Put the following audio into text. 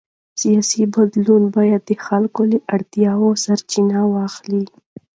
سیاسي بدلون باید د خلکو له اړتیاوو سرچینه واخلي